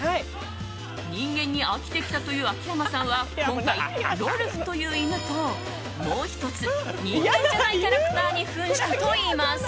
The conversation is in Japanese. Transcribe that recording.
人間に飽きてきたという秋山さんは今回、ロルフという犬ともう１つ人間じゃないキャラクターに扮したといいます。